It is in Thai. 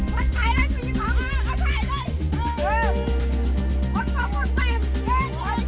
มันพิสุทธิ์ถ่ายได้รอทายได้